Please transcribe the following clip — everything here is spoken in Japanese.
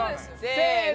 せの！